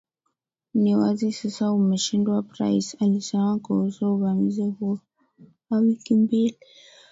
ni wazi sasa umeshindwa Price alisema kuhusu uvamizi huo wa wiki mbili